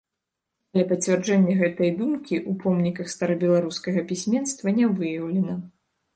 Але пацвярджэння гэтай думкі ў помніках старабеларускага пісьменства не выяўлена.